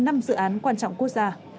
các dự án quan trọng quốc gia